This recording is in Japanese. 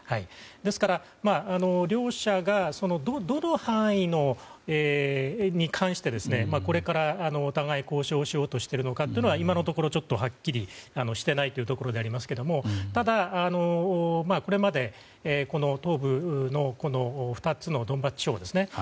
ですから両者がどの範囲に関してこれからお互い交渉しようとしているのかというのは今のところ、はっきりしていないところでありますがただ、これまで東部ドンバス地方ですね